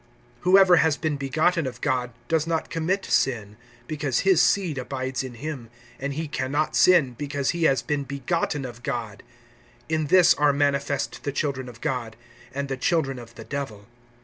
(9)Whoever has been begotten of God does not commit sin; because his seed abides in him; and he can not sin, because he has been begotten of God. (10)In this are manifest the children of God, and the children of the Devil.